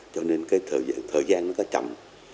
cho nên thời gian nó có chậm